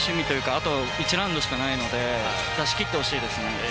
あと１ラウンドしかないので出しきってほしいですね。